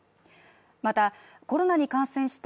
また、コロナに感染した